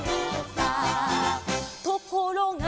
「ところが」